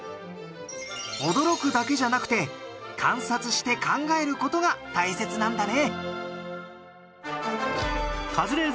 驚くだけじゃなくて観察して考える事が大切なんだね。